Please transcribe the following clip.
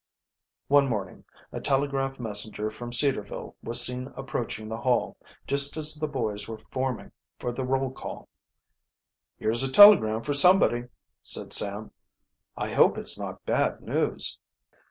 One morning a telegraph messenger from Cedarville was seen approaching the Hall, just as the boys were forming for the roll call. "Here's a telegram for somebody," said Sam. "I hope it's not bad news."